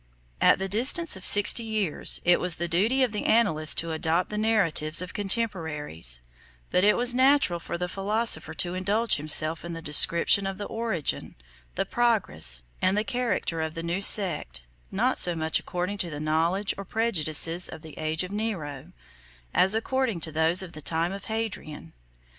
At the distance of sixty years, it was the duty of the annalist to adopt the narratives of contemporaries; but it was natural for the philosopher to indulge himself in the description of the origin, the progress, and the character of the new sect, not so much according to the knowledge or prejudices of the age of Nero, as according to those of the time of Hadrian.